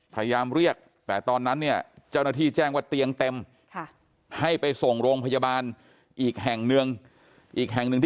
พยายามเรียกแต่ตอนนั้นเนี่ยเจ้าหน้าที่แจ้งว่าเตียงเต็มให้ไปส่งโรงพยาบาลอีกแห่ง